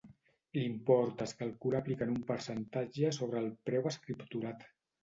L'import es calcula aplicant un percentatge sobre el preu escripturat.